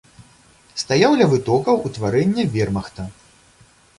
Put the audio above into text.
Стаяў ля вытокаў утварэння вермахта.